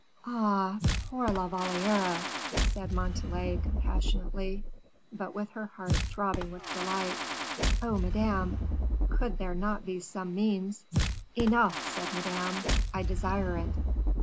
"Ah! poor La Valliere," said Montalais, compassionately, but with her heart throbbing with delight; "oh, Madame, could there not be some means " "Enough," said Madame; "I desire it.